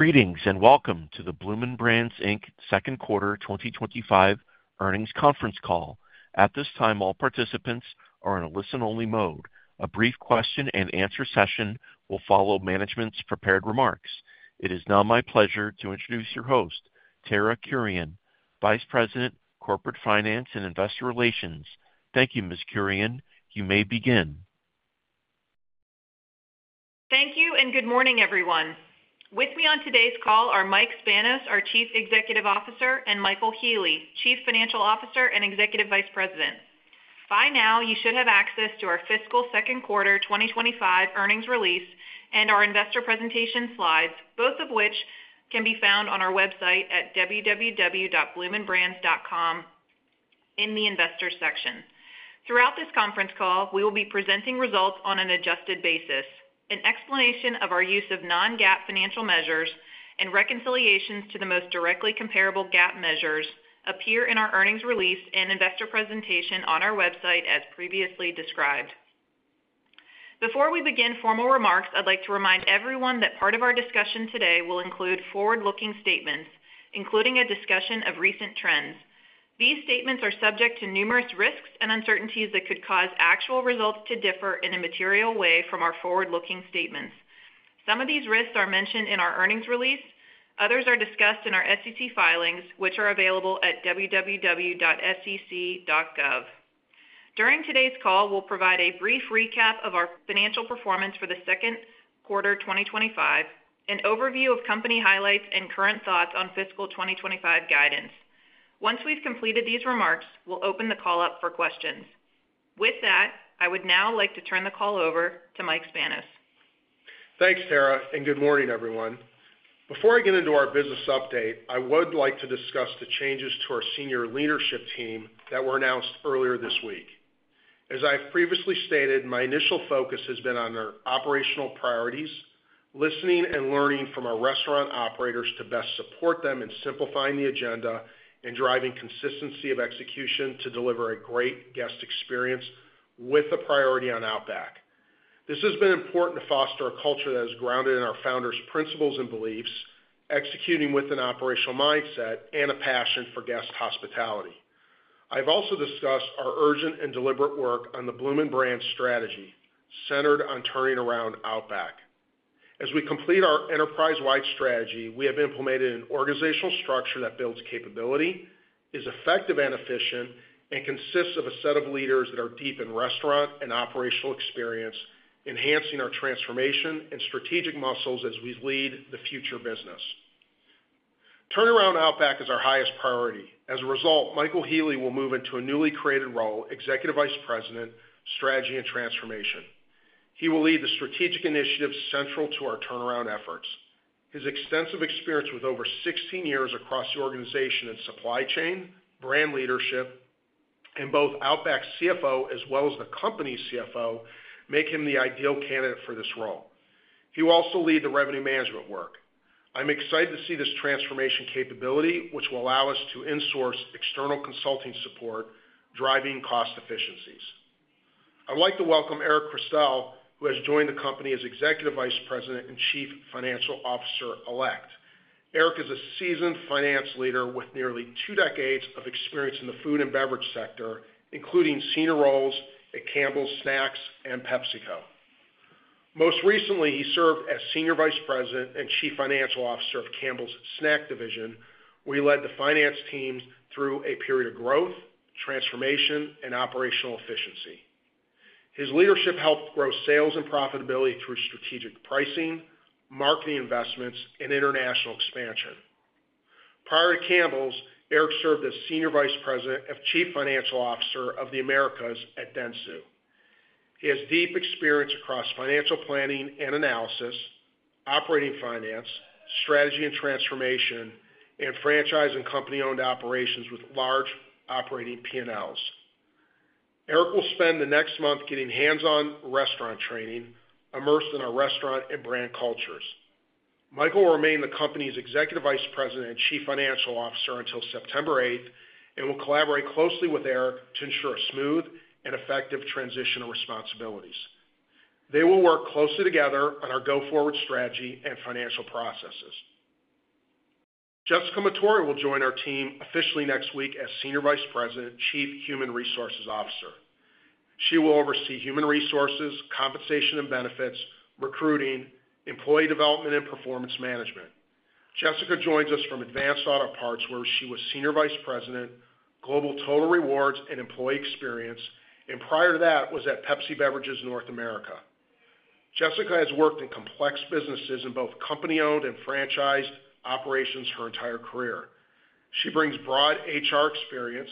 Greetings and welcome to the Bloomin' Brands, Inc. Second Quarter 2025 Earnings Conference Call. At this time, all participants are in a listen-only mode. A brief question-and-answer session will follow management's prepared remarks. It is now my pleasure to introduce your host, Tara Kurian, Vice President, Corporate Finance and Investor Relations. Thank you, Ms. Kurian. You may begin. Thank you and good morning, everyone. With me on today's call are Mike Spanos, our Chief Executive Officer, and Michael Healy, Chief Financial Officer and Executive Vice President. By now, you should have access to our fiscal second quarter 2025 earnings release and our investor presentation slides, both of which can be found on our website at www.bloominbrands.com in the Investors section. Throughout this conference call, we will be presenting results on an adjusted basis. An explanation of our use of non-GAAP financial measures and reconciliations to the most directly comparable GAAP measures appear in our earnings release and investor presentation on our website as previously described. Before we begin formal remarks, I'd like to remind everyone that part of our discussion today will include forward-looking statements, including a discussion of recent trends. These statements are subject to numerous risks and uncertainties that could cause actual results to differ in a material way from our forward-looking statements. Some of these risks are mentioned in our earnings release, others are discussed in our SEC filings, which are available at www.sec.gov. During today's call, we'll provide a brief recap of our financial performance for the second quarter 2025, an overview of company highlights, and current thoughts on fiscal 2025 guidance. Once we've completed these remarks, we'll open the call up for questions. With that, I would now like to turn the call over to Mike Spanos. Thanks, Tara, and good morning, everyone. Before I get into our business update, I would like to discuss the changes to our senior leadership team that were announced earlier this week. As I have previously stated, my initial focus has been on our operational priorities, listening and learning from our restaurant operators to best support them in simplifying the agenda and driving consistency of execution to deliver a great guest experience with a priority on Outback. This has been important to foster a culture that is grounded in our founders' principles and beliefs, executing with an operational mindset and a passion for guest hospitality. I've also discussed our urgent and deliberate work on the Bloomin' Brands strategy, centered on turning around Outback. As we complete our enterprise-wide strategy, we have implemented an organizational structure that builds capability, is effective and efficient, and consists of a set of leaders that are deep in restaurant and operational experience, enhancing our transformation and strategic muscles as we lead the future business. Turnaround Outback is our highest priority. As a result, Michael Healy will move into a newly created role, Executive Vice President, Strategy and Transformation. He will lead the strategic initiatives central to our turnaround efforts. His extensive experience with over 16 years across the organization in supply chain, brand leadership, and both Outback's CFO as well as the company's CFO make him the ideal candidate for this role. He will also lead the revenue management work. I'm excited to see this transformation capability, which will allow us to insource external consulting support, driving cost efficiencies. I'd like to welcome Eric Christel, who has joined the company as Executive Vice President and Chief Financial Officer Elect. Eric is a seasoned finance leader with nearly two decades of experience in the food and beverage sector, including senior roles at Campbell's Snacks and PepsiCo. Most recently, he served as Senior Vice President and Chief Financial Officer of Campbell's Snack Division, where he led the finance teams through a period of growth, transformation, and operational efficiency. His leadership helped grow sales and profitability through strategic pricing, marketing investments, and international expansion. Prior to Campbell's, Eric served as Senior Vice President and Chief Financial Officer of the Americas at Dentsu. He has deep experience across financial planning and analysis, operating finance, strategy and transformation, and franchise and company-owned operations with large operating P&Ls. Eric will spend the next month getting hands-on restaurant training, immersed in our restaurant and brand cultures. Michael will remain the company's Executive Vice President and Chief Financial Officer until September 8 and will collaborate closely with Eric to ensure a smooth and effective transition of responsibilities. They will work closely together on our go-forward strategy and financial processes. Jessica Matorre will join our team officially next week as Senior Vice President, Chief Human Resources Officer. She will oversee human resources, compensation and benefits, recruiting, employee development, and performance management. Jessica joins us from Advance Auto Parts, where she was Senior Vice President, Global Total Rewards and Employee Experience, and prior to that was at Pepsi Beverages North America. Jessica has worked in complex businesses in both company-owned and franchised operations her entire career. She brings broad HR experience,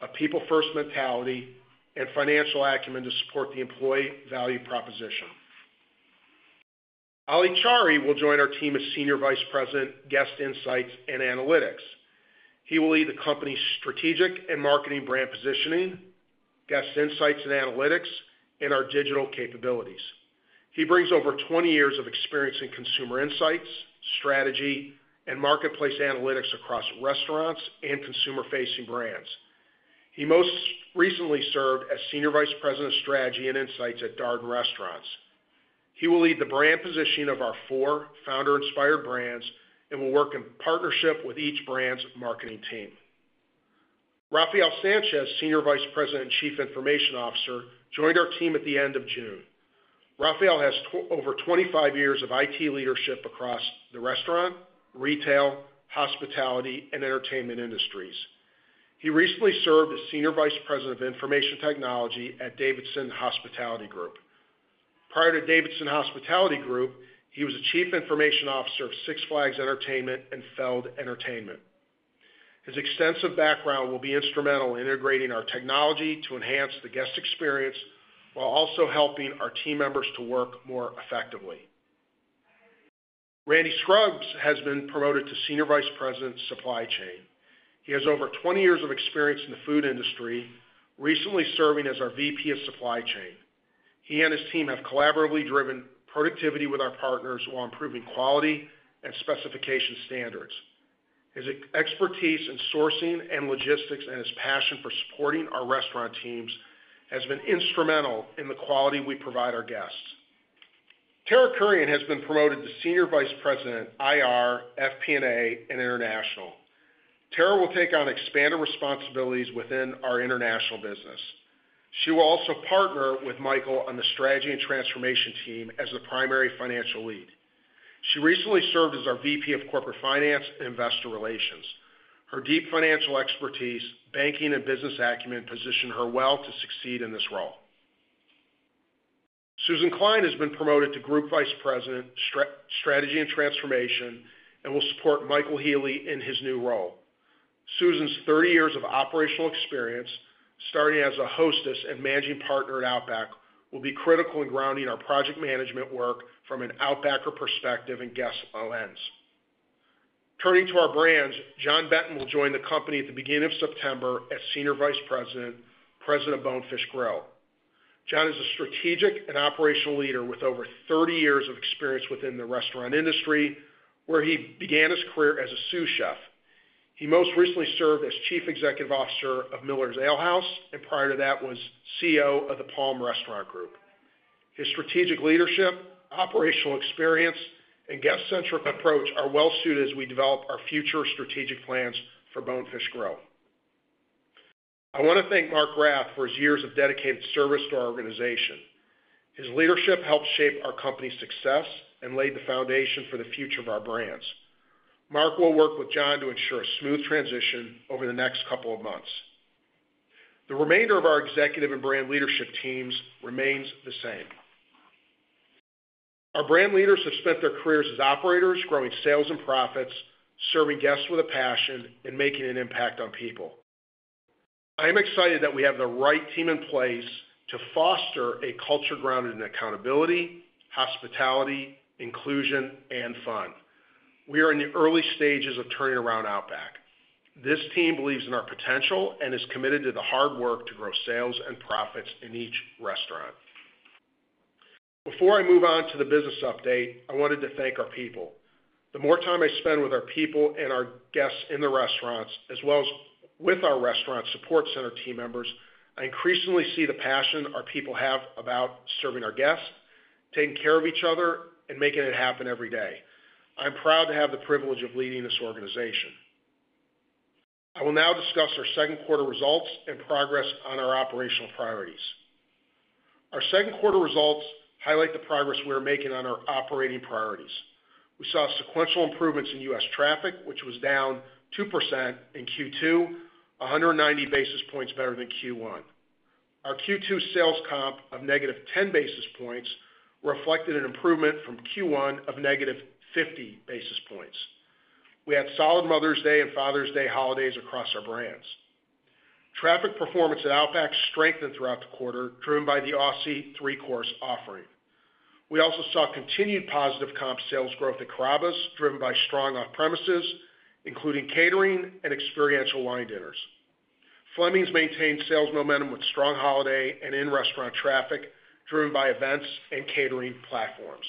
a people-first mentality, and financial acumen to support the employee value proposition. Ali Chari will join our team as Senior Vice President, Guest Insights and Analytics. He will lead the company's strategic and marketing brand positioning, guest insights and analytics, and our digital capabilities. He brings over 20 years of experience in consumer insights, strategy, and marketplace analytics across restaurants and consumer-facing brands. He most recently served as Senior Vice President of Strategy and Insights at Darden Restaurants. He will lead the brand positioning of our four founder-inspired brands and will work in partnership with each brand's marketing team. Rafael Sanchez, Senior Vice President and Chief Information Officer, joined our team at the end of June. Rafael has over 25 years of IT leadership across the restaurant, retail, hospitality, and entertainment industries. He recently served as Senior Vice President of Information Technology at Davidson Hospitality Group. Prior to Davidson Hospitality Group, he was Chief Information Officer of Six Flags Entertainment Corporation and Feld Entertainment. His extensive background will be instrumental in integrating our technology to enhance the guest experience while also helping our team members to work more effectively. Randy Scruggs has been promoted to Senior Vice President, Supply Chain. He has over 20 years of experience in the food industry, recently serving as our Vice President of Supply Chain. He and his team have collaboratively driven productivity with our partners while improving quality and specification standards. His expertise in sourcing and logistics and his passion for supporting our restaurant teams has been instrumental in the quality we provide our guests. Tara Kurian has been promoted to Senior Vice President, Investor Relations, Financial Planning & Analysis, and International. Tara will take on expanded responsibilities within our international business. She will also partner with Michael on the strategy and transformation team as the primary financial lead. She recently served as our Vice President of Corporate Finance and Investor Relations. Her deep financial expertise, banking, and business Acumen positioned her well to succeed in this role. Susan Klein has been promoted to Group Vice President, Strategy and Transformation, and will support Michael Healy in his new role. Susan's 30 years of operational experience, starting as a hostess and managing partner at Outback Steakhouse, will be critical in grounding our project management work from an Outbacker perspective and guest lens. Turning to our brands, John Benton will join the company at the beginning of September as Senior Vice President, President of Bonefish Grill. John is a strategic and operational leader with over 30 years of experience within the restaurant industry, where he began his career as a sous chef. He most recently served as Chief Executive Officer of Miller's Ale House, and prior to that was Chief Executive Officer of The Palm Restaurant Group. His strategic leadership, operational experience, and guest-centric approach are well suited as we develop our future strategic plans for Bonefish Grill. I want to thank Mark Graff for his years of dedicated service to our organization. His leadership helped shape our company's success and laid the foundation for the future of our brands. Mark will work with John to ensure a smooth transition over the next couple of months. The remainder of our executive and brand leadership teams remains the same. Our brand leaders have spent their careers as operators, growing sales and profits, serving guests with a passion, and making an impact on people. I am excited that we have the right team in place to foster a culture grounded in accountability, hospitality, inclusion, and fun. We are in the early stages of turning around Outback Steakhouse. This team believes in our potential and is committed to the hard work to grow sales and profits in each restaurant. Before I move on to the business update, I wanted to thank our people. The more time I spend with our people and our guests in the restaurants, as well as with our Restaurant Support Center team members, I increasingly see the passion our people have about serving our guests, taking care of each other, and making it happen every day. I'm proud to have the privilege of leading this organization. I will now discuss our second quarter results and progress on our operational priorities. Our second quarter results highlight the progress we are making on our operating priorities. We saw sequential improvements in U.S. traffic, which was down 2% in Q2, 190 basis points better than Q1. Our Q2 sales comp of negative 10 basis points reflected an improvement from Q1 of -50 basis points. We had solid Mother's Day and Father's Day holidays across our brands. Traffic performance at Outback Steakhouse strengthened throughout the quarter, driven by the Aussie Three-Course value offering. We also saw continued positive comp sales growth at Carrabba's Italian Grill, driven by strong off-premises, including catering and experiential wine dinners. Fleming's Prime Steakhouse & Wine Bar maintained sales momentum with strong holiday and in-restaurant traffic, driven by events and catering platforms.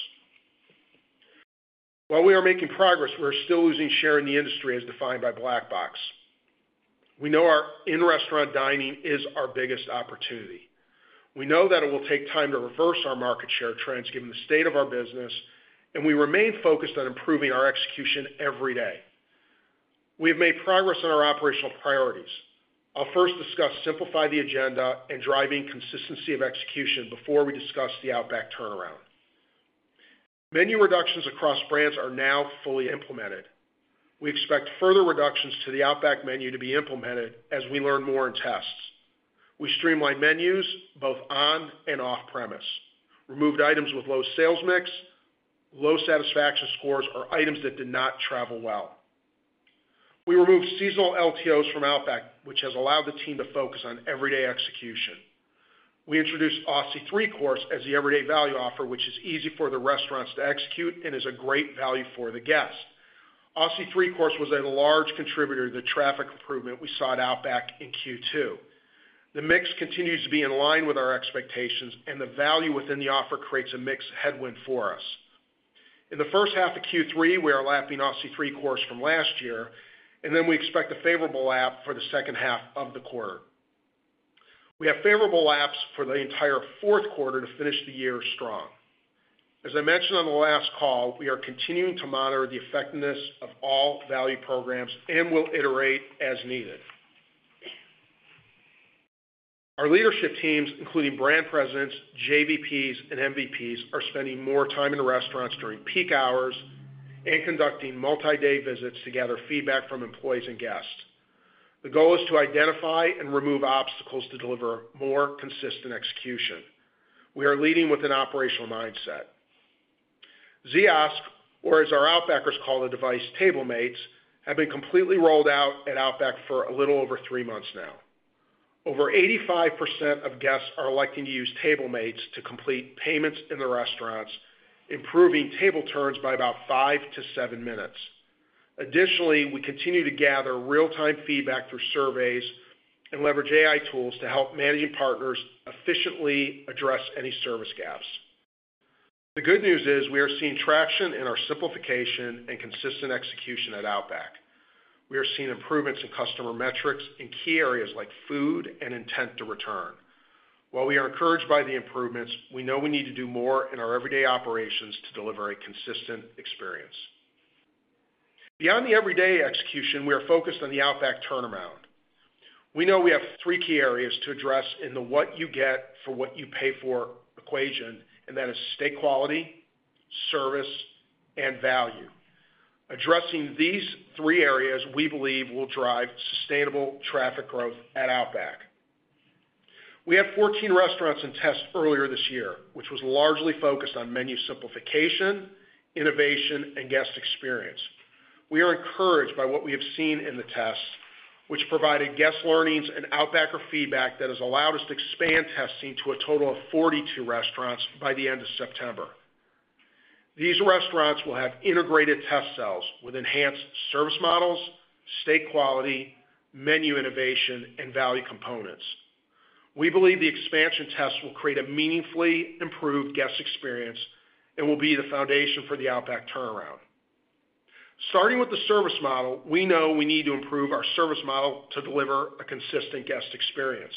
While we are making progress, we are still losing share in the industry as defined by Black Box Intelligence. We know our in-restaurant dining is our biggest opportunity. We know that it will take time to reverse our market share trends, given the state of our business, and we remain focused on improving our execution every day. We've made progress on our operational priorities. I'll first discuss simplifying the agenda and driving consistency of execution before we discuss the Outback Steakhouse turnaround. Menu reductions across brands are now fully implemented. We expect further reductions to the Outback Steakhouse menu to be implemented as we learn more and test. We streamline menus both on and off-premises. Removed items with low sales mix, low satisfaction scores, or items that did not travel well. We removed seasonal LTOs from Outback Steakhouse, which has allowed the team to focus on everyday execution. We introduced Aussie Three-Course as the everyday value offer, which is easy for the restaurants to execute and is a great value for the guests. Aussie Three-Course was a large contributor to the traffic improvement we saw at Outback Steakhouse in Q2. The mix continues to be in line with our expectations, and the value within the offer creates a mixed headwind for us. In the first half of Q3, we are lapping Aussie Three-Course from last year, and then we expect a favorable lap for the second half of the quarter. We have favorable laps for the entire fourth quarter to finish the year strong. As I mentioned on the last call, we are continuing to monitor the effectiveness of all value programs and will iterate as needed. Our leadership teams, including Brand Presidents, JVPs, and MVPs, are spending more time in the restaurants during peak hours and conducting multi-day visits to gather feedback from employees and guests. The goal is to identify and remove obstacles to deliver more consistent execution. We are leading with an operational mindset. Ziosk, or as our Outbackers call the device, TableMates, have been completely rolled out at Outback for a little over three months now. Over 85% of guests are electing to use TableMates to complete payments in the restaurants, improving table turns by about five to seven minutes. Additionally, we continue to gather real-time feedback through surveys and leverage AI tools to help Managing Partners efficiently address any service gaps. The good news is we are seeing traction in our simplification and consistent execution at Outback. We are seeing improvements in customer metrics in key areas like food and intent to return. While we are encouraged by the improvements, we know we need to do more in our everyday operations to deliver a consistent experience. Beyond the everyday execution, we are focused on the Outback turnaround. We know we have three key areas to address in the what you get for what you pay for equation, and that is steak quality, service, and value. Addressing these three areas we believe will drive sustainable traffic growth at Outback. We have 14 restaurants in test earlier this year, which was largely focused on menu simplification, innovation, and guest experience. We are encouraged by what we have seen in the tests, which provided guest learnings and Outbacker feedback that has allowed us to expand testing to a total of 42 restaurants by the end of September. These restaurants will have integrated test cells with enhanced service models, steak quality, menu innovation, and value components. We believe the expansion tests will create a meaningfully improved guest experience and will be the foundation for the Outback turnaround. Starting with the service model, we know we need to improve our service model to deliver a consistent guest experience.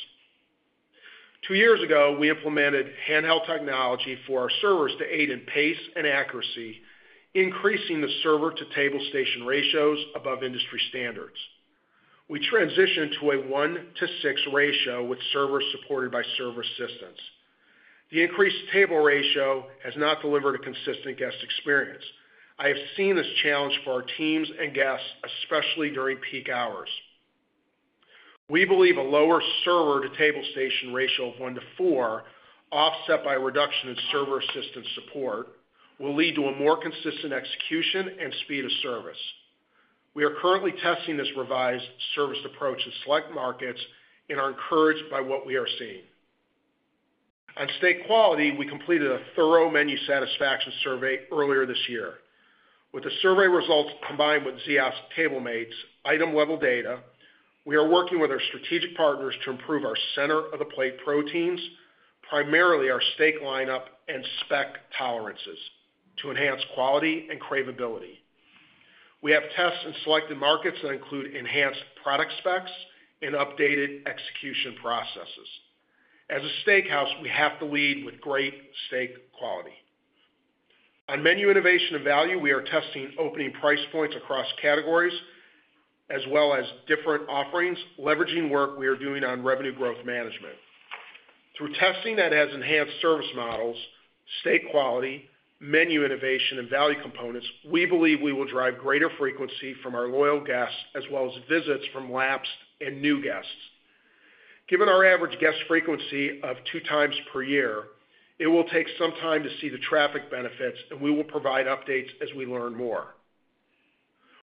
Two years ago, we implemented handheld technology for our servers to aid in pace and accuracy, increasing the server-to-table station ratios above industry standards. We transitioned to a one-to-six ratio with servers supported by server assistants. The increased table ratio has not delivered a consistent guest experience. I have seen this challenge for our teams and guests, especially during peak hours. We believe a lower server-to-table station ratio of one to four, offset by a reduction in server assistant support, will lead to a more consistent execution and speed of service. We are currently testing this revised service approach in select markets and are encouraged by what we are seeing. On steak quality, we completed a thorough menu satisfaction survey earlier this year. With the survey results combined with Ziosk TableMates item-level data, we are working with our strategic partners to improve our center-of-the-plate proteins, primarily our steak lineup and spec tolerances, to enhance quality and craveability. We have tests in selected markets that include enhanced product specs and updated execution processes. As a steakhouse, we have to lead with great steak quality. On menu innovation and value, we are testing opening price points across categories, as well as different offerings, leveraging work we are doing on revenue management. Through testing that has enhanced service models, steak quality, menu innovation, and value components, we believe we will drive greater frequency from our loyal guests, as well as visits from lapsed and new guests. Given our average guest frequency of 2x per year, it will take some time to see the traffic benefits, and we will provide updates as we learn more.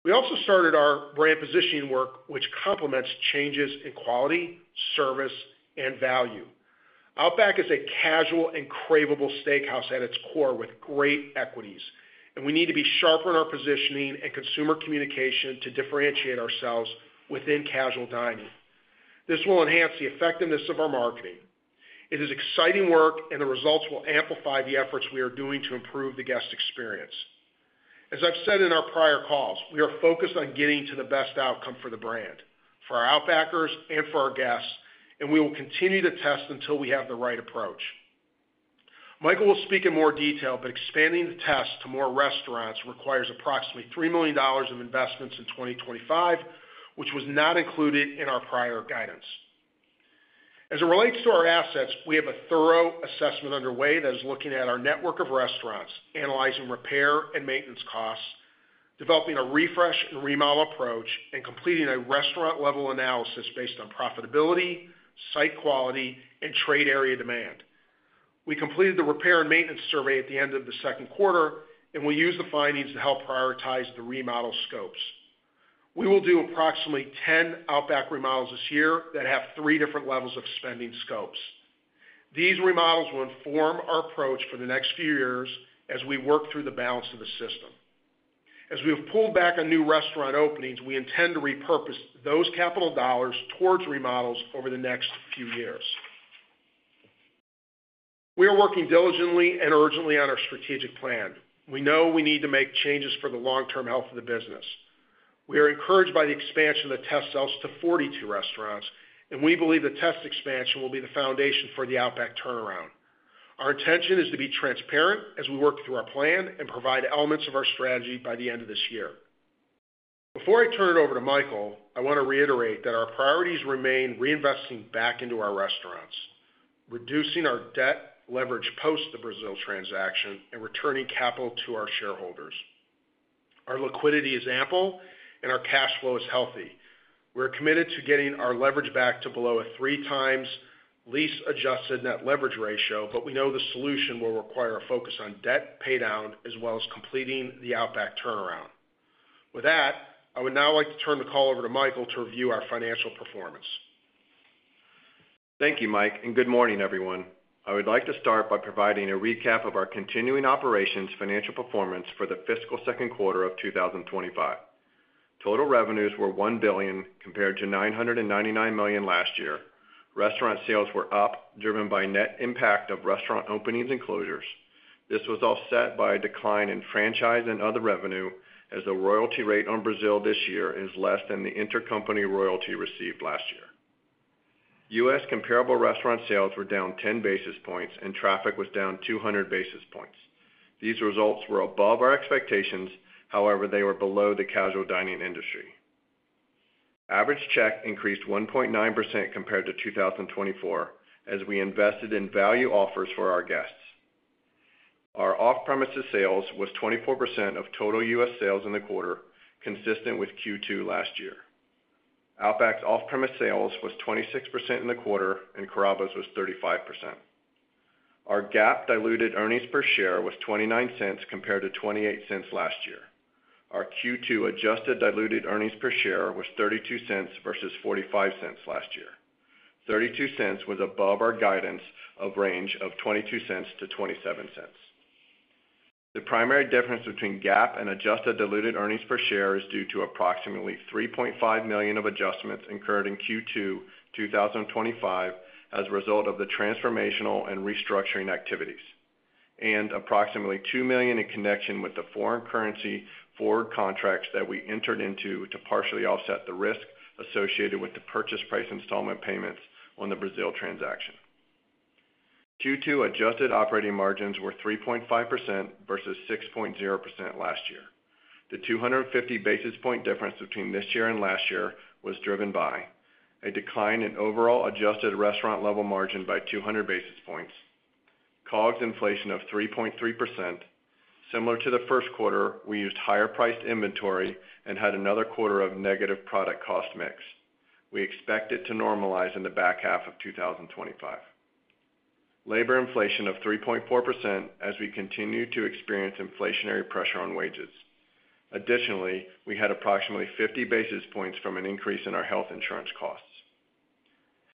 We also started our brand positioning work, which complements changes in quality, service, and value. Outback Steakhouse is a casual and craveable steakhouse at its core, with great equities, and we need to be sharper in our positioning and consumer communication to differentiate ourselves within casual dining. This will enhance the effectiveness of our marketing. It is exciting work, and the results will amplify the efforts we are doing to improve the guest experience. As I've said in our prior calls, we are focused on getting to the best outcome for the brand, for our Outbackers, and for our guests, and we will continue to test until we have the right approach. Michael will speak in more detail, but expanding the test to more restaurants requires approximately $3 million of investments in 2025, which was not included in our prior guidance. As it relates to our assets, we have a thorough assessment underway that is looking at our network of restaurants, analyzing repair and maintenance costs, developing a refresh and remodel approach, and completing a restaurant-level analysis based on profitability, site quality, and trade area demand. We completed the repair and maintenance survey at the end of the second quarter, and we used the findings to help prioritize the remodel scopes. We will do approximately 10 Outback remodels this year that have three different levels of spending scopes. These remodels will inform our approach for the next few years as we work through the balance of the system. As we have pulled back on new restaurant openings, we intend to repurpose those capital dollars towards remodels over the next few years. We are working diligently and urgently on our strategic plan. We know we need to make changes for the long-term health of the business. We are encouraged by the expansion of the test cells to 42 restaurants, and we believe the test expansion will be the foundation for the Outback turnaround. Our intention is to be transparent as we work through our plan and provide elements of our strategy by the end of this year. Before I turn it over to Michael, I want to reiterate that our priorities remain reinvesting back into our restaurants, reducing our debt leverage post the Brazil transaction, and returning capital to our shareholders. Our liquidity is ample and our cash flow is healthy. We are committed to getting our leverage back to below a 3x lease-adjusted net leverage ratio, but we know the solution will require a focus on debt paydown as well as completing the Outback turnaround. With that, I would now like to turn the call over to Michael to review our financial performance. Thank you, Mike, and good morning, everyone. I would like to start by providing a recap of our continuing operations financial performance for the fiscal second quarter of 2025. Total revenues were $1 billion compared to $999 million last year. Restaurant sales were up, driven by net impact of restaurant openings and closures. This was offset by a decline in franchise and other revenue, as the royalty rate on Brazil this year is less than the intercompany royalty received last year. U.S. comparable restaurant sales were down 10 basis points, and traffic was down 200 basis points. These results were above our expectations; however, they were below the casual dining industry. Average check increased 1.9% compared to 2024, as we invested in value offers for our guests. Our off-premises sales were 24% of total U.S. sales in the quarter, consistent with Q2 last year. Outback's off-premises sales were 26% in the quarter, and Carrabba's was 35%. Our GAAP diluted earnings per share was $0.29 compared to $0.28 last year. Our Q2 adjusted diluted earnings per share was $0.32 versus $0.45 last year. $0.32 was above our guidance of range of $0.22-$0.27. The primary difference between GAAP and adjusted diluted earnings per share is due to approximately $3.5 million of adjustments incurred in Q2 2025 as a result of the transformational and restructuring activities, and approximately $2 million in connection with the foreign currency forward contracts that we entered into to partially offset the risk associated with the purchase price installment payments on the Brazil transaction. Q2 adjusted operating margins were 3.5% versus 6.0% last year. The 250 basis point difference between this year and last year was driven by a decline in overall adjusted restaurant level margin by 200 basis points, COGS inflation of 3.3%. Similar to the first quarter, we used higher priced inventory and had another quarter of negative product cost mix. We expect it to normalize in the back half of 2025. Labor inflation of 3.4% as we continue to experience inflationary pressure on wages. Additionally, we had approximately 50 basis points from an increase in our health insurance costs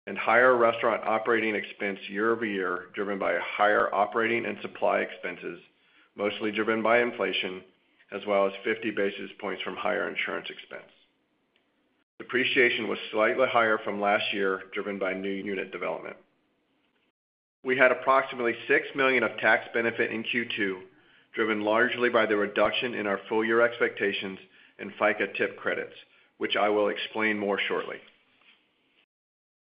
and higher restaurant operating expense year-over-year, driven by higher operating and supply expenses, mostly driven by inflation, as well as 50 basis points from higher insurance expense. Depreciation was slightly higher from last year, driven by new unit development. We had approximately $6 million of tax benefit in Q2, driven largely by the reduction in our full-year expectations and FICA tip credits, which I will explain more shortly.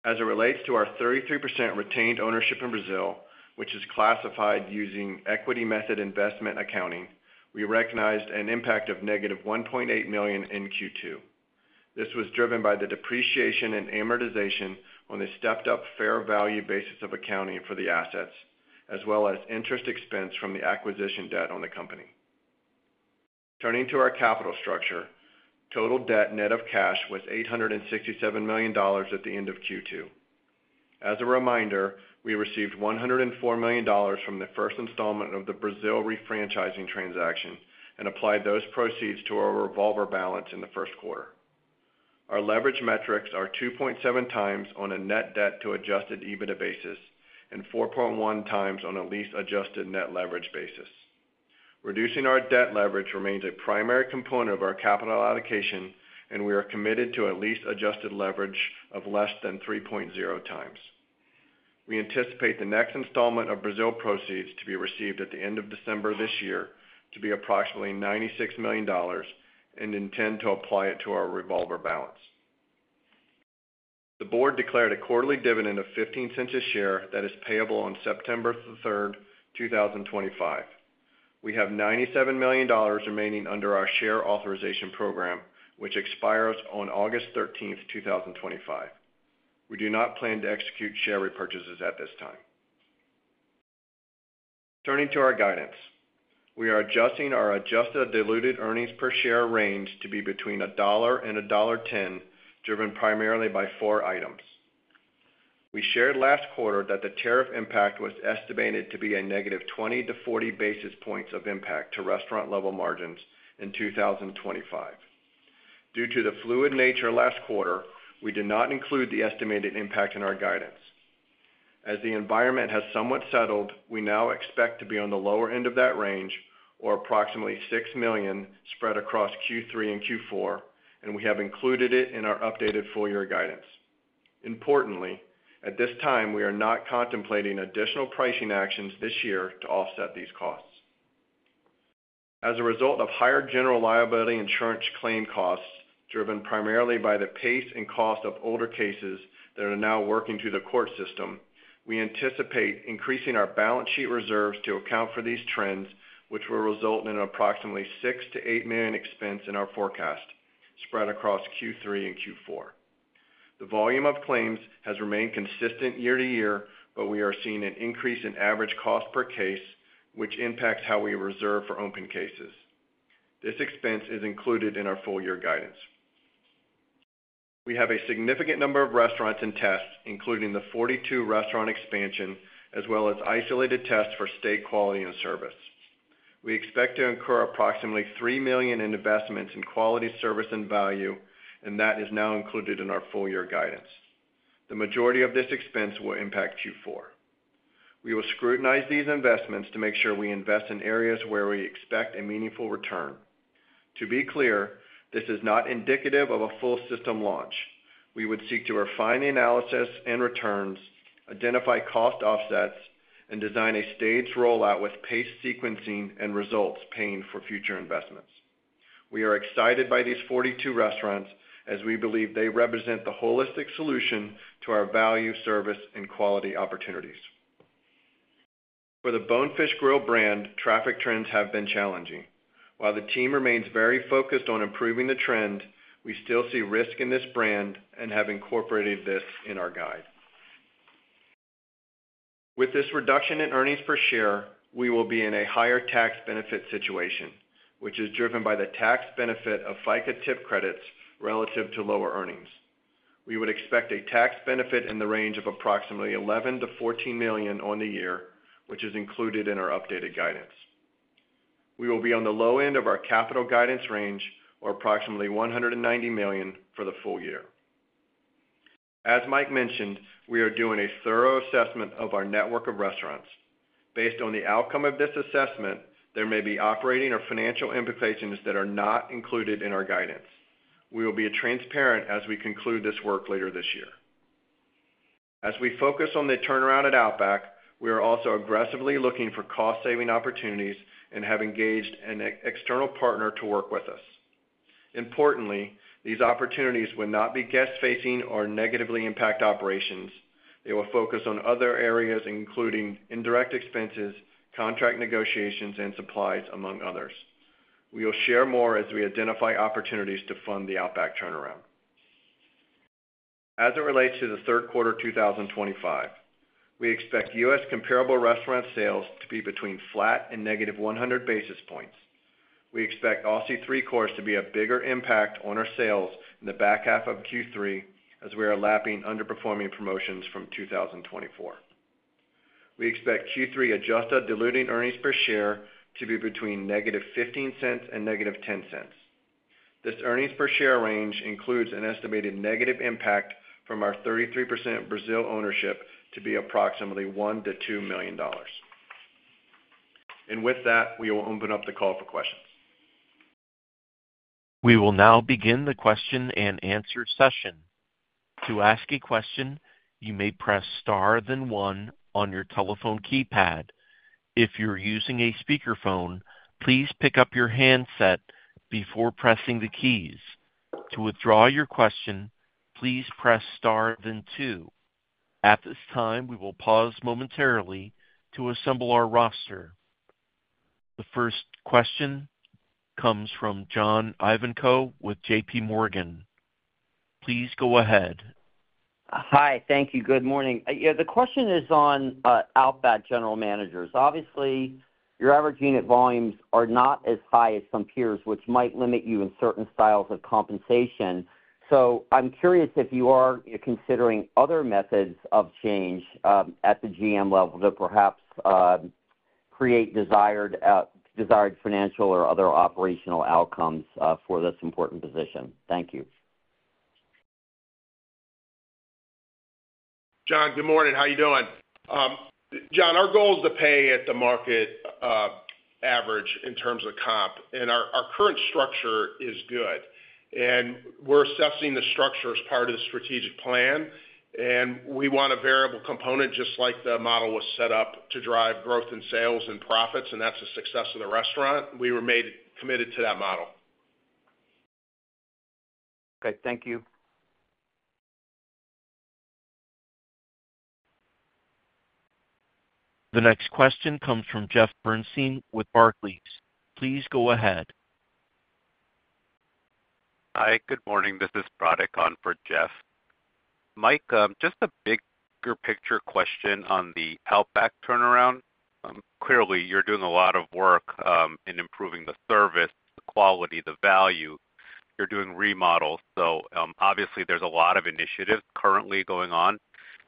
As it relates to our 33% retained ownership in Brazil, which is classified using equity method investment accounting, we recognized an impact of -$1.8 million in Q2. This was driven by the depreciation and amortization on the stepped-up fair value basis of accounting for the assets, as well as interest expense from the acquisition debt on the company. Turning to our capital structure, total debt net of cash was $867 million at the end of Q2. As a reminder, we received $104 million from the first installment of the Brazil refranchising transaction and applied those proceeds to our revolver balance in the first quarter. Our leverage metrics are 2.7x on a net debt-to-adjusted EBITDA basis and 4.1x on a lease-adjusted net leverage basis. Reducing our debt leverage remains a primary component of our capital allocation, and we are committed to a lease-adjusted leverage of less than 3.0x. We anticipate the next installment of Brazil proceeds to be received at the end of December this year to be approximately $96 million and intend to apply it to our revolver balance. The board declared a quarterly dividend of $0.15 a share that is payable on September 3, 2025. We have $97 million remaining under our share authorization program, which expires on August 13, 2025. We do not plan to execute share repurchases at this time. Turning to our guidance, we are adjusting our adjusted diluted earnings per share range to be between $1 and $1.10, driven primarily by four items. We shared last quarter that the tariff impact was estimated to be a -20 to 40 basis points of impact to restaurant level margins in 2025. Due to the fluid nature last quarter, we did not include the estimated impact in our guidance. As the environment has somewhat settled, we now expect to be on the lower end of that range, or approximately $6 million spread across Q3 and Q4, and we have included it in our updated full-year guidance. Importantly, at this time, we are not contemplating additional pricing actions this year to offset these costs. As a result of higher general liability insurance claim costs, driven primarily by the pace and cost of older cases that are now working through the court system, we anticipate increasing our balance sheet reserves to account for these trends, which will result in an approximately $6 milllion- $8 million expense in our forecast spread across Q3 and Q4. The volume of claims has remained consistent year-to-year, but we are seeing an increase in average cost per case, which impacts how we reserve for open cases. This expense is included in our full-year guidance. We have a significant number of restaurants in test, including the 42 restaurant expansion, as well as isolated tests for state quality and service. We expect to incur approximately $3 million in investments in quality, service, and value, and that is now included in our full-year guidance. The majority of this expense will impact Q4. We will scrutinize these investments to make sure we invest in areas where we expect a meaningful return. To be clear, this is not indicative of a full system launch. We would seek to refine the analysis and returns, identify cost offsets, and design a staged rollout with pace sequencing and results paying for future investments. We are excited by these 42 restaurants as we believe they represent the holistic solution to our value, service, and quality opportunities. For the Bonefish Grill brand, traffic trends have been challenging. While the team remains very focused on improving the trend, we still see risk in this brand and have incorporated this in our guide. With this reduction in earnings per share, we will be in a higher tax benefit situation, which is driven by the tax benefit of FICA tip credits relative to lower earnings. We would expect a tax benefit in the range of approximately $11million-$14 million on the year, which is included in our updated guidance. We will be on the low end of our capital guidance range, or approximately $190 million for the full year. As Mike mentioned, we are doing a thorough assessment of our network of restaurants. Based on the outcome of this assessment, there may be operating or financial implications that are not included in our guidance. We will be transparent as we conclude this work later this year. As we focus on the turnaround at Outback, we are also aggressively looking for cost-saving opportunities and have engaged an external partner to work with us. Importantly, these opportunities will not be guest-facing or negatively impact operations. They will focus on other areas, including indirect expenses, contract negotiations, and supplies, among others. We will share more as we identify opportunities to fund the Outback turnaround. As it relates to the third quarter 2025, we expect U.S. comparable restaurant sales to be between flat and -100 basis points. We expect Aussie Three-Course to be a bigger impact on our sales in the back half of Q3, as we are lapping underperforming promotions from 2024. We expect Q3 adjusted EPS to be between -$0.15 and -$0.10. This EPS range includes an estimated negative impact from our 33% Brazil ownership to be approximately $1 million-$2 million. With that, we will open up the call for questions. We will now begin the question and answer session. To ask a question, you may press star then one on your telephone keypad. If you're using a speakerphone, please pick up your handset before pressing the keys. To withdraw your question, please press star then two. At this time, we will pause momentarily to assemble our roster. The first question comes from John Ivankoe with JPMorgan. Please go ahead. Hi, thank you. Good morning. The question is on Outback general managers. Obviously, your average unit volumes are not as high as some peers, which might limit you in certain styles of compensation. I'm curious if you are considering other methods of change at the GM level that perhaps create desired financial or other operational outcomes for this important position. Thank you. John, good morning. How are you doing? John, our goal is to pay at the market average in terms of comp, and our current structure is good. We're assessing the structure as part of the strategic plan, and we want a variable component just like the model was set up to drive growth in sales and profits, and that's a success of the restaurant. We're committed to that model. Great, thank you. The next question comes from Jeff Bernstein with Barclays. Please go ahead. Hi, good morning. This is Braddock Salzberg for Jeff. Mike, just a bigger picture question on the Outback turnaround. Clearly, you're doing a lot of work in improving the service, the quality, the value. You're doing remodels, so obviously there's a lot of initiatives currently going on.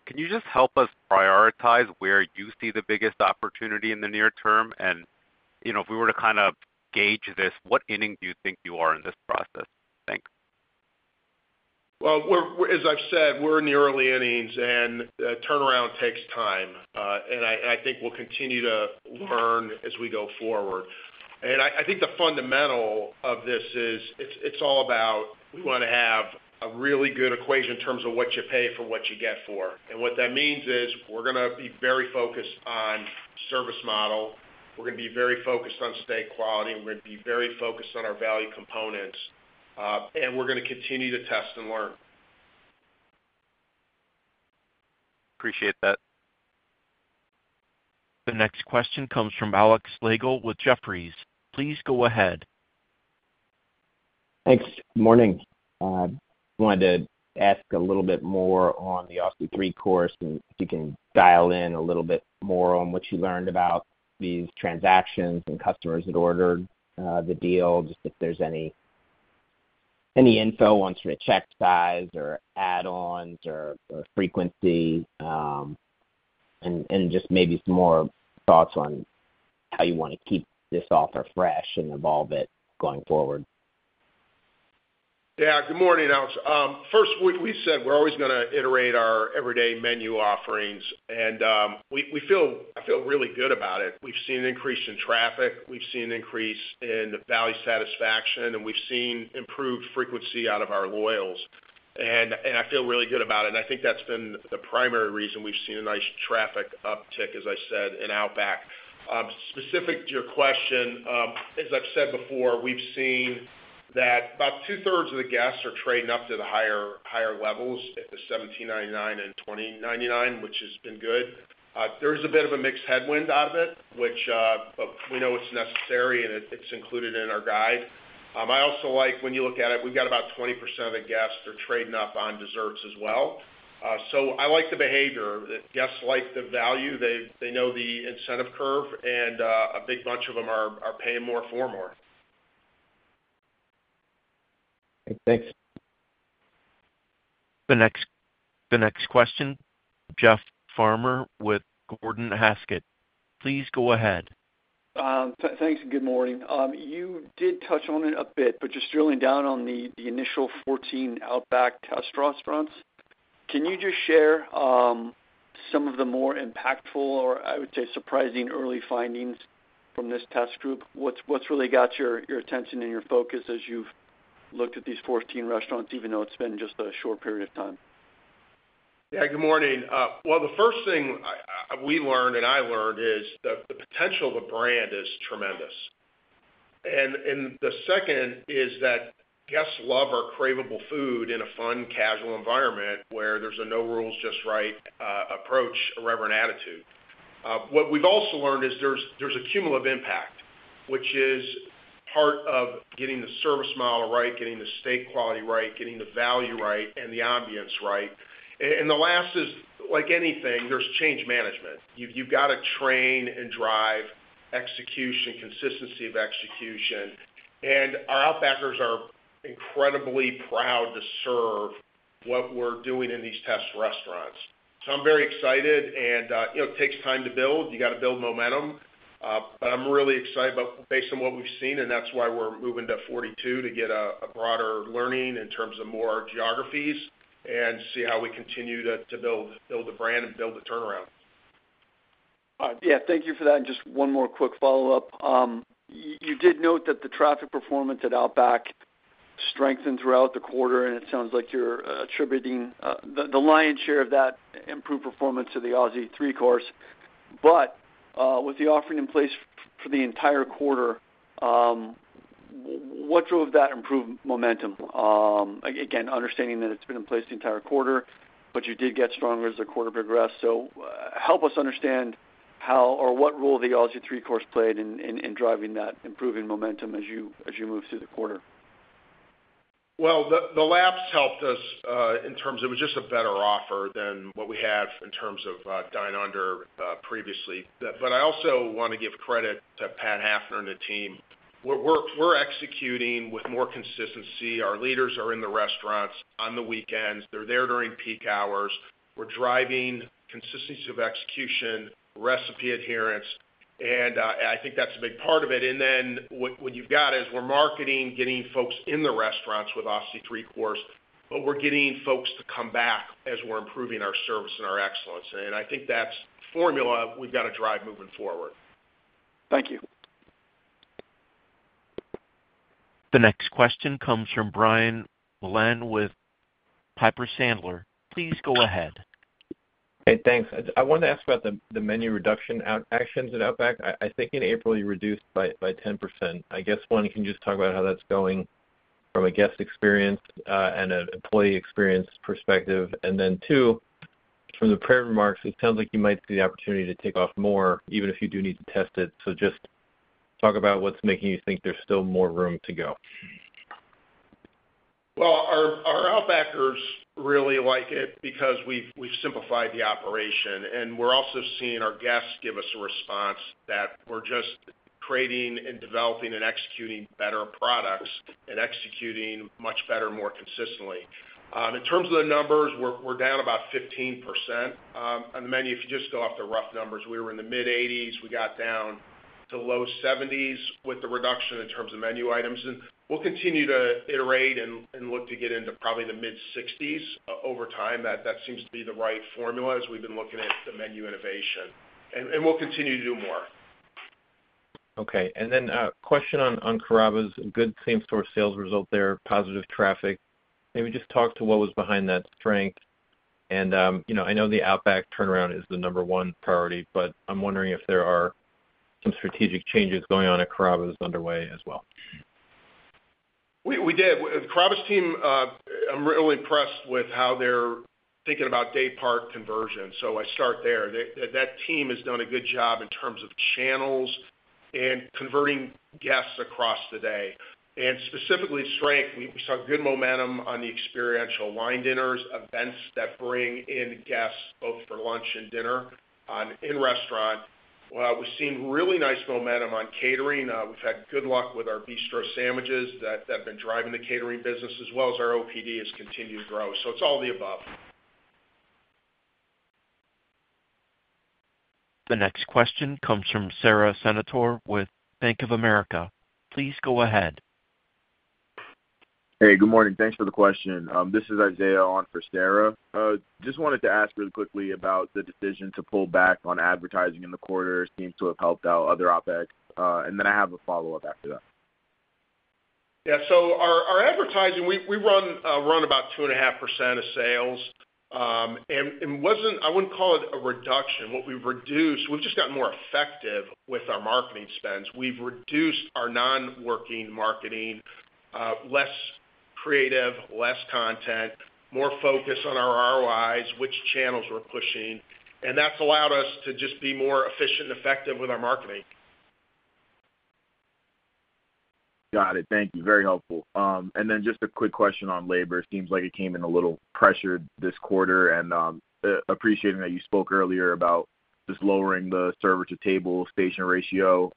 Can you just help us prioritize where you see the biggest opportunity in the near term? If we were to kind of gauge this, what inning do you think you are in this process? Thanks. As I've said, we're in the early innings and the turnaround takes time. I think we'll continue to learn as we go forward. I think the fundamental of this is it's all about we want to have a really good equation in terms of what you pay for what you get for. What that means is we're going to be very focused on the service model. We're going to be very focused on steak quality, and we're going to be very focused on our value components, and we're going to continue to test and learn. Appreciate that. The next question comes from Alex Slagle with Jefferies. Please go ahead. Thanks. Good morning. I wanted to ask a little bit more on the Aussie Three-Course and if you can dial in a little bit more on what you learned about these transactions and customers that ordered the deal, just if there's any info on sort of check size or add-ons or frequency, and just maybe some more thoughts on how you want to keep this offer fresh and evolve it going forward. Yeah, good morning, Alex. First, we said we're always going to iterate our everyday menu offerings, and we feel really good about it. We've seen an increase in traffic, we've seen an increase in the value satisfaction, and we've seen improved frequency out of our loyals. I feel really good about it. I think that's been the primary reason we've seen a nice traffic uptick, as I said, in Outback. Specific to your question, as I've said before, we've seen that about 2/3s of the guests are trading up to the higher levels at the $17.99 and $20.99, which has been good. There is a bit of a mixed headwind out of it, which we know it's necessary and it's included in our guide. I also like when you look at it, we've got about 20% of the guests that are trading up on desserts as well. I like the behavior. The guests like the value. They know the incentive curve, and a big bunch of them are paying more for more. Thanks. The next question, Jeff Farmer with Gordon Haskett, please go ahead. Thanks, and good morning. You did touch on it a bit, just drilling down on the initial 14 Outback test restaurants, can you share some of the more impactful or, I would say, surprising early findings from this test group? What's really got your attention and your focus as you've looked at these 14 restaurants, even though it's been just a short period of time? Good morning. The first thing we learned and I learned is the potential of a brand is tremendous. The second is that guests love our craveable food in a fun, casual environment where there's a no rules, just right approach or irreverent attitude. What we've also learned is there's a cumulative impact, which is part of getting the service model right, getting the steak quality right, getting the value right, and the ambience right. The last is, like anything, there's change management. You've got to train and drive execution, consistency of execution. Our Outbackers are incredibly proud to serve what we're doing in these test restaurants. I'm very excited, and you know it takes time to build. You've got to build momentum. I'm really excited about what we've seen, and that's why we're moving to 42 to get a broader learning in terms of more geographies and see how we continue to build the brand and build the turnaround. Thank you for that. Just one more quick follow-up. You did note that the traffic performance at Outback Steakhouse strengthened throughout the quarter, and it sounds like you're attributing the lion's share of that improved performance to the Aussie Three-Course value offering. With the offering in place for the entire quarter, what drove that improved momentum? Again, understanding that it's been in place the entire quarter, you did get stronger as the quarter progressed. Help us understand how or what role the Aussie Three-Course value offering played in driving that improving momentum as you move through the quarter. The laps helped us in terms of it was just a better offer than what we have in terms of dine under previously. I also want to give credit to Pat Hafner and the team. We're executing with more consistency. Our leaders are in the restaurants on the weekends. They're there during peak hours. We're driving consistency of execution, recipe adherence, and I think that's a big part of it. What you've got is we're marketing, getting folks in the restaurants with Aussie Three-Course, but we're getting folks to come back as we're improving our service and our excellence. I think that's the formula we've got to drive moving forward. Thank you. The next question comes from Brian Mullan with Piper Sandler. Please go ahead. Hey, thanks. I wanted to ask about the menu reduction actions at Outback. I think in April you reduced by 10%. I guess one, can you just talk about how that's going from a guest experience and an employee experience perspective? Two, from the prior remarks, it sounds like you might see the opportunity to take off more, even if you do need to test it. Just talk about what's making you think there's still more room to go. Our Outbackers really like it because we've simplified the operation, and we're also seeing our guests give us a response that we're just creating and developing and executing better products and executing much better, more consistently. In terms of the numbers, we're down about 15% on the menu. If you just go off the rough numbers, we were in the mid-80s. We got down to the low 70s with the reduction in terms of menu items. We'll continue to iterate and look to get into probably the mid-60s over time. That seems to be the right formula as we've been looking at the menu innovation. We'll continue to do more. Okay. A question on Carrabba's, good same-store sales result there, positive traffic. Maybe just talk to what was behind that strength. I know the Outback turnaround is the number one priority, but I'm wondering if there are some strategic changes going on at Carrabba's underway as well. We did. The Carrabba's team, I'm really impressed with how they're thinking about day part conversion. I start there. That team has done a good job in terms of channels and converting guests across the day. Specifically, strength, we saw good momentum on the experiential wine dinners, events that bring in guests both for lunch and dinner in restaurant. We've seen really nice momentum on catering. We've had good luck with our bistro sandwiches that have been driving the catering business as well as our OPD has continued to grow. It's all the above. The next question comes from Isaiah with Bank of America. Please go ahead. Hey, good morning. Thanks for the question. This is Isaiah on for Sara. Just wanted to ask really quickly about the decision to pull back on advertising in the quarter. It seems to have helped Outback. I have a follow-up after that. Yeah, so our advertising, we run about 2.5% of sales. I wouldn't call it a reduction. What we've reduced, we've just gotten more effective with our marketing spends. We've reduced our non-working marketing, less creative, less content, more focused on our ROIs, which channels we're pushing. That's allowed us to just be more efficient and effective with our marketing. Got it. Thank you. Very helpful. Just a quick question on labor. It seems like it came in a little pressured this quarter. Appreciating that you spoke earlier about just lowering the server-to-table station ratio,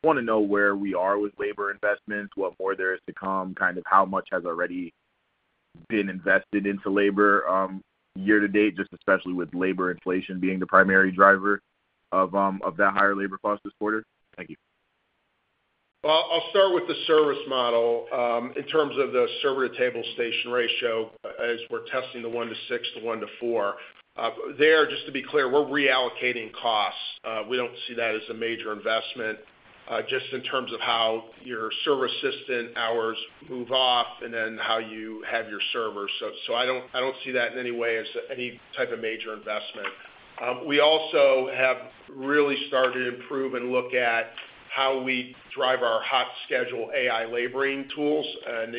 I just want to know where we are with labor investments, what more there is to come, and kind of how much has already been invested into labor year to date, especially with labor inflation being the primary driver of that higher labor cost this quarter. Thank you. I'll start with the service model. In terms of the server-to-table station ratio, as we're testing the one -six, the one-four, just to be clear, we're reallocating costs. We don't see that as a major investment, just in terms of how your server assistant hours move off and then how you have your server. I don't see that in any way as any type of major investment. We also have really started to improve and look at how we drive our HotSchedule AI laboring tools.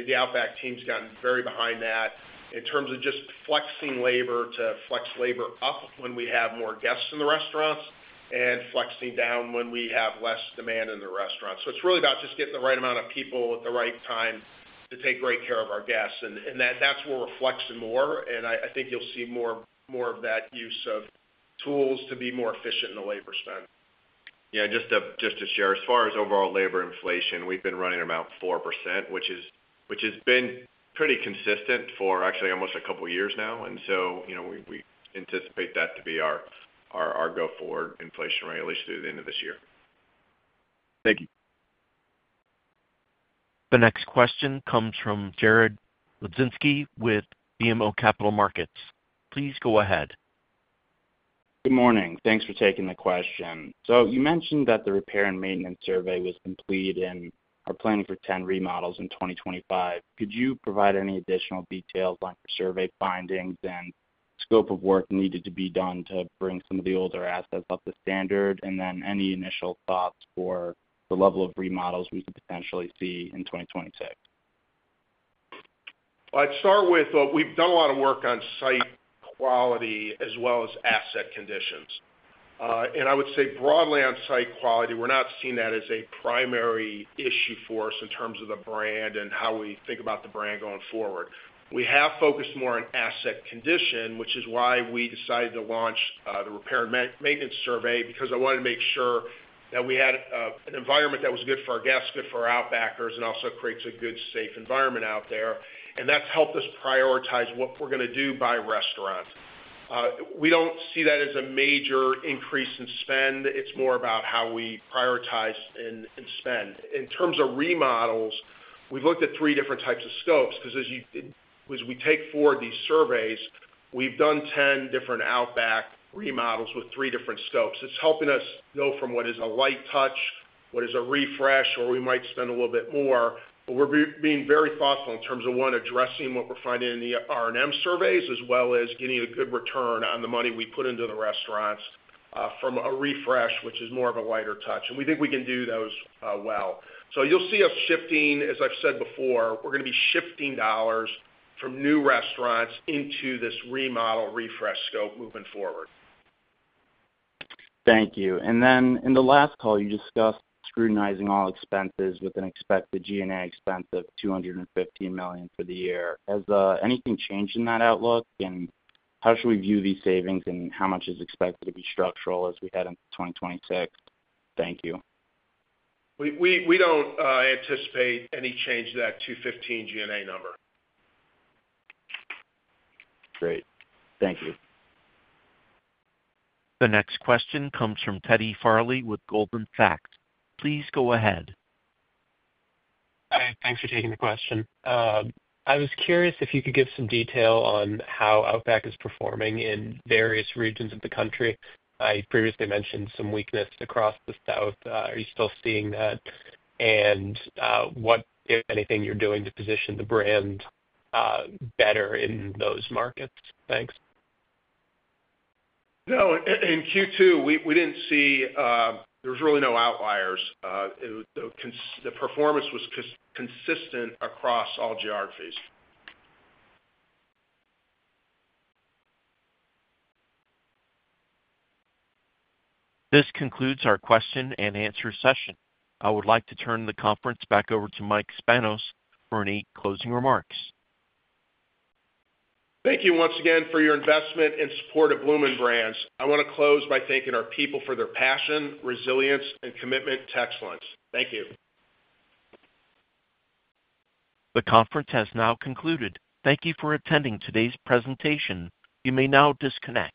The Outback team's gotten very behind that in terms of just flexing labor to flex labor up when we have more guests in the restaurants and flexing down when we have less demand in the restaurant. It's really about just getting the right amount of people at the right time to take great care of our guests. That's where we're flexing more. I think you'll see more of that use of tools to be more efficient in the labor spend. Yeah, just to share, as far as overall labor inflation, we've been running about 4%, which has been pretty consistent for actually almost a couple of years now. We anticipate that to be our go forward inflation rate, at least through the end of this year. Thank you. The next question comes from Jared Hludzinski with BMO Capital Markets. Please go ahead. Good morning. Thanks for taking the question. You mentioned that the repair and maintenance survey was complete and are planning for 10 remodels in 2025. Could you provide any additional details on your survey findings and scope of work needed to be done to bring some of the older assets up to standard? Any initial thoughts for the level of remodels we could potentially see in 2026? I'd start with we've done a lot of work on site quality as well as asset conditions. I would say broadly on site quality, we're not seeing that as a primary issue for us in terms of the brand and how we think about the brand going forward. We have focused more on asset condition, which is why we decided to launch the repair and maintenance survey, because I wanted to make sure that we had an environment that was good for our guests, good for our Outbackers, and also creates a good, safe environment out there. That's helped us prioritize what we're going to do by restaurant. We don't see that as a major increase in spend. It's more about how we prioritize and spend. In terms of remodels, we've looked at three different types of scopes, because as we take forward these surveys, we've done 10 different Outback remodels with three different scopes. It's helping us know from what is a light touch, what is a refresh, or we might spend a little bit more. We're being very thoughtful in terms of, one, addressing what we're finding in the repair and maintenance surveys, as well as getting a good return on the money we put into the restaurants from a refresh, which is more of a lighter touch. We think we can do those well. You'll see us shifting, as I've said before, we're going to be shifting dollars from new restaurants into this remodel refresh scope moving forward. Thank you. In the last call, you discussed scrutinizing all expenses with an expected G&A expense of $215 million for the year. Has anything changed in that outlook? How should we view these savings and how much is expected to be structural as we head into 2026? Thank you. We don't anticipate any change to that $215 million G&A number. Great, thank you. The next question comes from Teddy Farley with Goldman Sachs. Please go ahead. Thanks for taking the question. I was curious if you could give some detail on how Outback is performing in various regions of the country. I previously mentioned some weakness across the South. Are you still seeing that? What, if anything, you're doing to position the brand better in those markets? Thanks. In Q2, we didn't see there's really no outliers. The performance was consistent across all geographies. This concludes our question and answer session. I would like to turn the conference back over to Mike Spanos for any closing remarks. Thank you once again for your investment and support of Bloomin' Brands. I want to close by thanking our people for their passion, resilience, and commitment to excellence. Thank you. The conference has now concluded. Thank you for attending today's presentation. You may now disconnect.